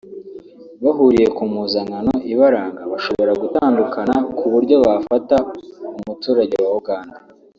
bahuriye ku mpuzankano ibaranga bashobora gutandukana ku buryo bafata umuturage wa Uganda